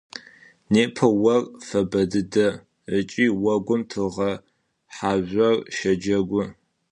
Непэ ор фэбэ дэд ыкӀи огум тыгъэ хьажъор щэджэгу.